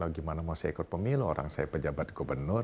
gimana mau saya ikut pemilu orang saya pejabat gubernur